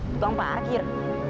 tukang pak akhir